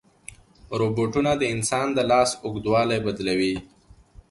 روبوټونه د انسان د لاس اوږدوالی بدلوي.